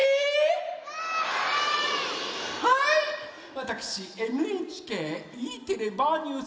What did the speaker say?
わたくしＮＨＫＥテレ「ばあっ！ニュース」